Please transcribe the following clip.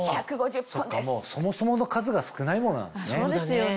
そっかもうそもそもの数が少ないものなんですね。